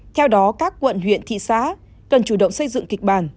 theo đó các quận huyện thị xã cần chủ động xây dựng kịch bản